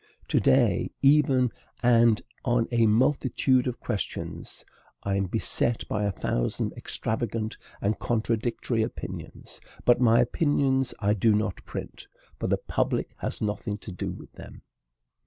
To day, even, and on a multitude of questions, I am beset by a thousand extravagant and contradictory opinions; but my opinions I do not print, for the public has nothing to do with them.